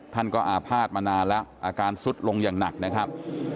ท่านก็อาภาษณ์มานานแล้วอาการสุดลงอย่างหนักนะครับ